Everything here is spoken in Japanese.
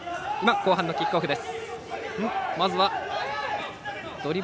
後半のキックオフです。